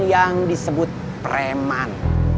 yang disebut preman